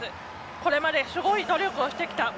これまで、すごい努力をしてきた。